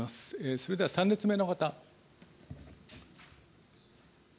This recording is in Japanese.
それでは３列目の方。